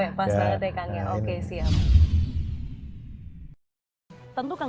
tentu kang bima menyadari hal itu kan